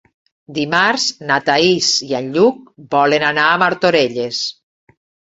Dimarts na Thaís i en Lluc volen anar a Martorelles.